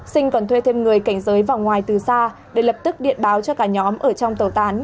sinh còn thuê thêm người cảnh giới vòng ngoài từ xa để lập tức điện báo cho cả nhóm ở trong tàu tán